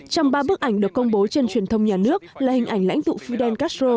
trong ba bức ảnh được công bố trên truyền thông nhà nước là hình ảnh lãnh tụ fidel castro